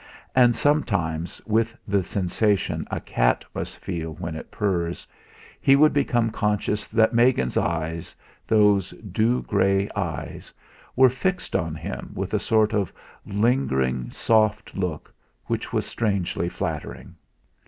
And sometimes, with the sensation a cat must feel when it purrs, he would become conscious that Megan's eyes those dew grey eyes were fixed on him with a sort of lingering soft look which was strangely flattering.